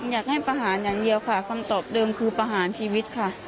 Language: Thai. อยากให้ประหารอย่างเดียวค่ะคำตอบเดิมคือประหารชีวิตค่ะ